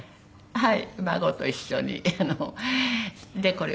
はい。